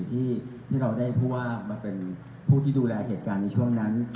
ที่เราได้ผู้ว่ามาเป็นผู้ที่ดูแลเหตุการณ์ในช่วงนั้น